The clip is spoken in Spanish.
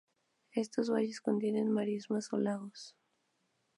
Estos valles contienen marismas o lagos.